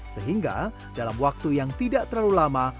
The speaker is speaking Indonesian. sehingga dalam waktu yang tidak terlalu lama